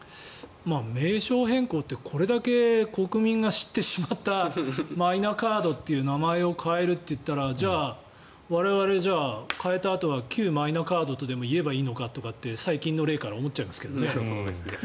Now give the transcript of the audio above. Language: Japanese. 名称変更ってこれだけ国民が知ってしまったマイナカードという名前を変えるというのはじゃあ、我々は変えたあとは旧マイナカードとでも言えばいいのかって最近の例から思いますがね。